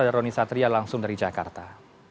ada roni satria langsung dari jakarta